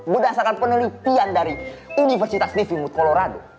berdasarkan penelitian dari universitas livingwood colorado